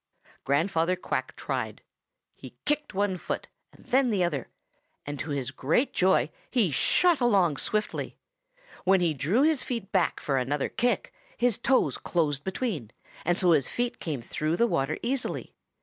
"Grandfather Quack tried. He kicked one foot and then the other, and to his great joy he shot along swiftly. When he drew his feet back for another kick his toes closed together, and so his feet came through the water easily.